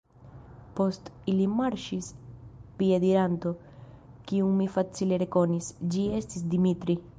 Post ili marŝis piediranto, kiun mi facile rekonis: ĝi estis Dimitri.